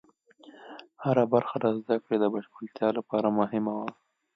هره برخه د زده کړې د بشپړتیا لپاره مهمه وه.